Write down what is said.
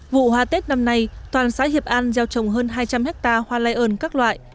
vụ hoa tết năm nay toàn xã hiệp an gieo trồng hơn hai trăm linh ha hoa lion các loại